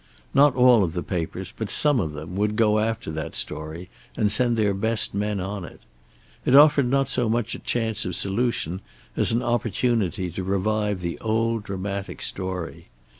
Not all of the papers, but some of them, would go after that story, and send their best men on it. It offered not so much a chance of solution as an opportunity to revive the old dramatic story.